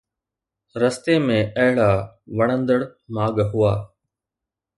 رستي ۾ اهڙا وڻندڙ ماڳ هئا